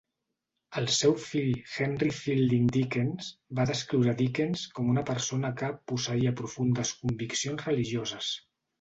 El seu fill, Henry Fielding Dickens, va descriure Dickens com una persona que "posseïa profundes conviccions religioses".